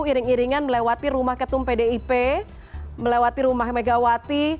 iring iringan melewati rumah ketum pdip melewati rumah megawati